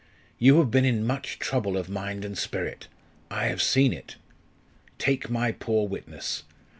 You have been in much trouble of mind and spirit I have seen it. Take my poor witness.